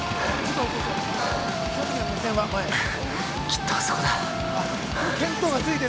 ◆きっとあそこだ。